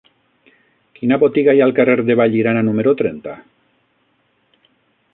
Quina botiga hi ha al carrer de Vallirana número trenta?